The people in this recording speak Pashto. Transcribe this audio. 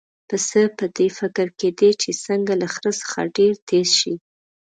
پسه په دې فکر کې دی چې څنګه له خره څخه ډېر تېز شي.